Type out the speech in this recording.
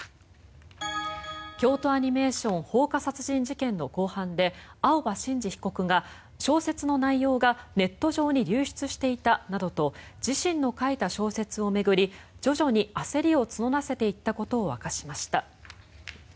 京都アニメーション放火殺人事件の公判で青葉真司被告が、小説の内容がネット上に流出していたなどと自身の書いた小説を巡り徐々に焦りを募らせていったことを明かしました。